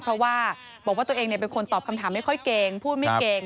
เพราะว่าบอกว่าตัวเองเป็นคนตอบคำถามไม่ค่อยเก่งพูดไม่เก่ง